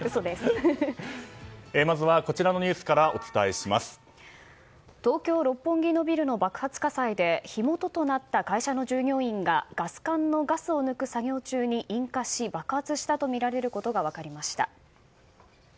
まずはこちらのニュースから東京・六本木のビルの爆発火災で火元となった会社の従業員がガス缶のガスを抜く作業中に引火し爆発したとみられることが分かりました。